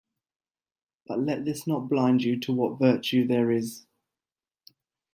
But let this not blind you to what virtue there is